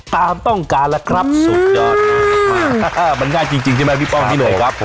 ตามต้องการแล้วครับสุดยอดมันง่ายจริงใช่ไหมพี่ป้องพี่หน่อยครับผม